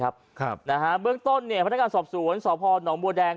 เบื้องต้นพนักงานสอบศูนย์สอบพ่อน้องมัวแดง